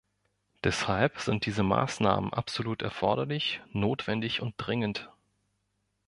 Deshalb sind diese Maßnahmen absolut erforderlich, notwendig und dringend.